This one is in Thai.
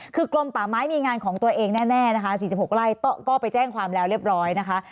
คือกลมป่าไม้มีงานของตัวเองแน่นะคะ๔๖ไร่ก็ไปแจ้งความแล้วเรียบร้อยนะคะ